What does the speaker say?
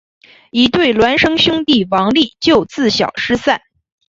一对孪生兄弟王利就自小失散。